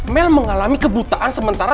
mel mengalami kebutaan sementara